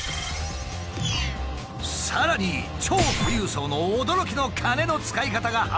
さらに超富裕層の驚きの金の使い方が判明。